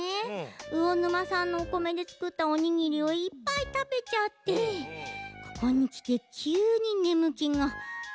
魚沼さんのおこめでつくったおにぎりをいっぱいたべちゃってここにきてきゅうにねむけが。